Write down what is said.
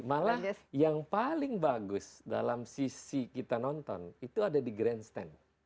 malah yang paling bagus dalam sisi kita nonton itu ada di grandstand